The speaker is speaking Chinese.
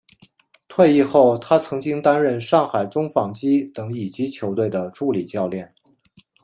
退役后他曾经担任上海中纺机等乙级球队的助理教练。